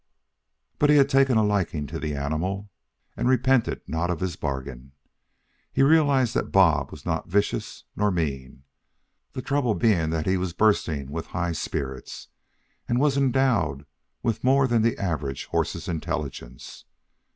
But he had taken a liking to the animal, and repented not of his bargain. He realized that Bob was not vicious nor mean, the trouble being that he was bursting with high spirits and was endowed with more than the average horse's intelligence.